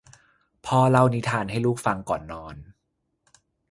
พ่อเล่านิทานให้ลูกฟังก่อนนอน